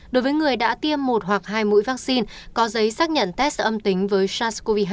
đối với người đã tiêm một hoặc hai mũi vaccine có giấy xác nhận test âm tính với sars cov hai